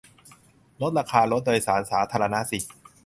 ลดราคารถโดยสารสาธารณะสิ